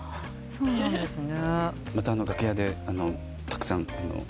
そうなんですか？